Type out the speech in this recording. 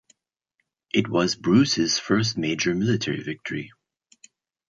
It was Bruce's first major military victory.